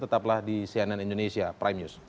tetaplah di cnn indonesia prime news